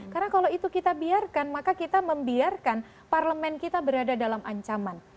karena kalau itu kita biarkan maka kita membiarkan parlement kita berada dalam ancaman